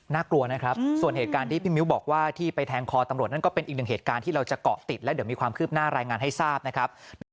กลัวนะครับส่วนเหตุการณ์ที่พี่มิ้วบอกว่าที่ไปแทงคอตำรวจนั้นก็เป็นอีกหนึ่งเหตุการณ์ที่เราจะเกาะติดและเดี๋ยวมีความคืบหน้ารายงานให้ทราบนะครับ